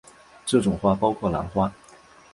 这种花包括兰花。